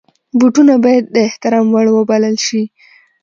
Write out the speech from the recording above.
بوټونه باید د احترام وړ وبلل شي.